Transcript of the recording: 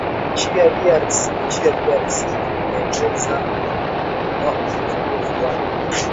nchini drc anaeleza kwa uzoefu wake